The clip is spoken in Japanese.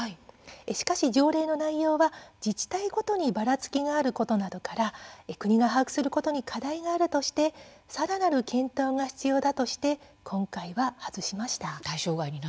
しかし条例の内容は自治体ごとにばらつきがあることなどから国が把握することに課題があるとしてさらなる検討が必要だとして今回は外しました。